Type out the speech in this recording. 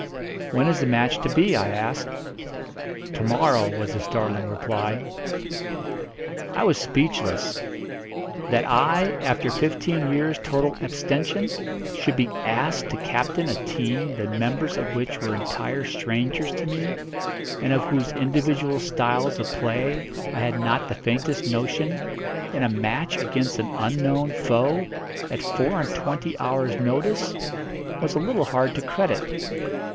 "When is the match to be?" I asked. "To morrow," was the startling reply. I was speechless. That I, after fifteen years' total abstention, should be asked to captain a team the members of which were entire strangers to me, and of whose individual styles of play I had not the faintest notion, in a match against an unknown foe, at four and twenty hours' notice, was a little hard to credit.